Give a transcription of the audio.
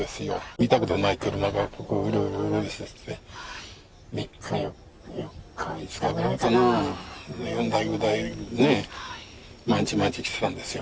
見たことない車がここをうろうろしてて、３日、４日、５日ぐらいかな、４台、５台ね、毎日毎日、来てたんですよ。